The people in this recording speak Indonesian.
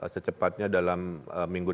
secepatnya dalam minggu